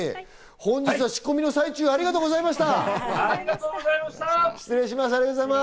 本日は仕込みの最中ありがとうございました。